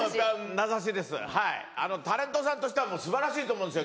名指しですタレントさんとしては素晴らしいと思うんですよ。